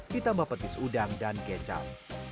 ditambah petis udang dan kecap